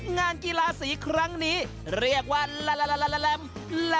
งานกีฬาสีครั้งนี้เรียกว่าลาลาม